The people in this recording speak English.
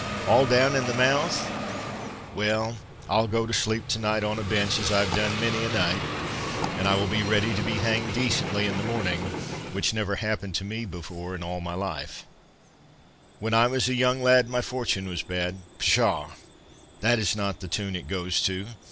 —all down in the mouth—well—I'll go to sleep to night on a bench, as I've done many a night, and I will be ready to be hanged decently in the morning, which never happened to me before in all my life— When I was a young lad, My fortune was bad—' Pshaw! This is not the tune it goes to."